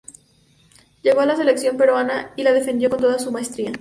Llegó a la selección peruana y la defendió con toda su maestría.